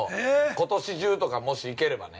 ことし中とか、もし行ければね。